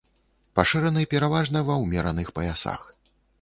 Пашыраны пераважна ва ўмераных паясах.